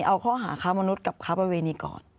เอาข้อหาค้ามนุษย์กับค้าประเวณีก่อน